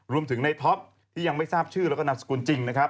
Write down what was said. รวมถึงในท็อปท์ที่ยังไม่ทราบชื่อและนับสกุลจริง